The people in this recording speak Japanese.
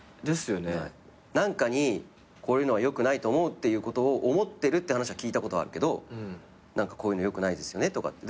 何かにこういうのはよくないと思うっていうことを思ってるって話は聞いたことあるけど何かこういうのよくないですよねとか。